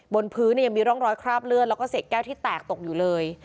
บนพื้นยังมีร่องรอยคราบเลือดแล้วก็เศษแก้วที่แตกตกอยู่เลย